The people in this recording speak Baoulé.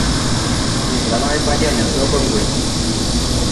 Nzraamaʼm be kpaja ɲanmiɛn su lɔ kɔnguɛ.